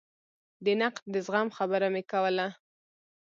د نقد د زغم خبره مې کوله.